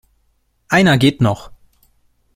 Einer geht noch.